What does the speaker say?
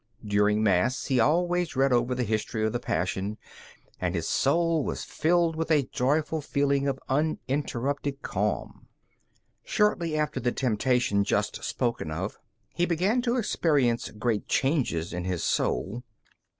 During Mass, he always read over the history of the Passion, and his soul was filled with a joyful feeling of uninterrupted calm. Shortly after the temptation just spoken of, he began to experience great changes in his soul.